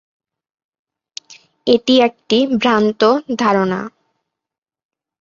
এটি একটি ভ্রান্ত ধারণা।